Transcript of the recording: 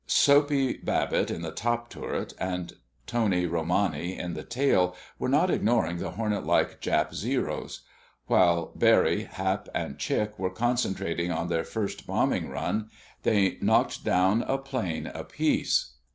Soapy Babbitt in the top turret and Tony Romani in the tail were not ignoring the hornet like Jap Zeros. While Barry, Hap and Chick were concentrating on their first bombing run, they knocked down a plane apiece.